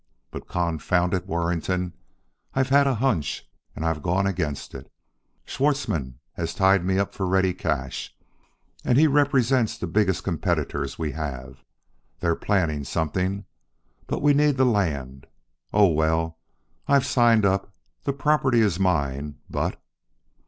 But, confound it, Warrington, I've had a hunch and I've gone against it. Schwartzmann has tied me up for ready cash, and he represents the biggest competitors we have. They're planning something but we need the land.... Oh, well, I've signed up; the property is mine; but...."